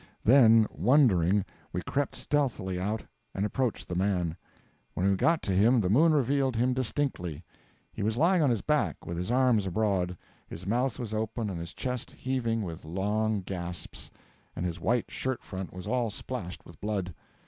Then, wondering, we crept stealthily out, and approached the man. When we got to him the moon revealed him distinctly. He was lying on his back, with his arms abroad; his mouth was open and his chest heaving with long gasps, and his white shirt front was all splashed with blood.